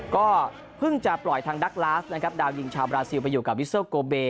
ก็เพิ่งจะปล่อยทางดักลาฟนะครับดาวยิงชาวบราซิลไปอยู่กับวิเซลโกเบ